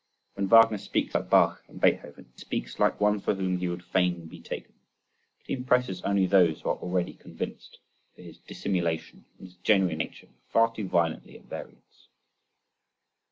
When Wagner speaks about Bach and Beethoven he speaks like one for whom he would fain be taken. But he impresses only those who are already convinced, for his dissimulation and his genuine nature are far too violently at variance.